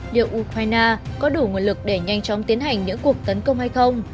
liệu ukraine có đủ nguồn lực để nhanh chóng tiến hành những cuộc tấn công hay không